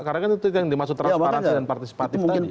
karena itu yang dimaksud transparansi dan partisipatif tadi